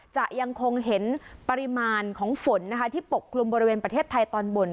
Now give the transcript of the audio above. จะยังคงเห็นปริมาณของฝนนะคะที่ปกคลุมบริเวณประเทศไทยตอนบน